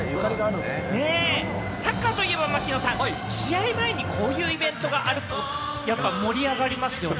サッカーといえば、槙野さん、試合前にこういうイベントがあると、やっぱ盛り上がりますよね。